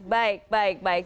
baik baik baik